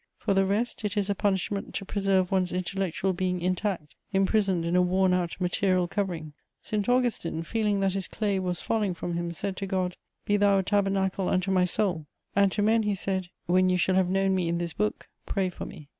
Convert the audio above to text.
For the rest, it is a punishment to preserve one's intellectual being intact, imprisoned in a worn out material covering. St Augustine, feeling that his clay was falling from him, said to God, "Be Thou a tabernacle unto my soul," and to men he said, "When you shall have known me in this book, pray for me."